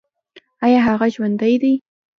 ایا هغه ژوندی دی؟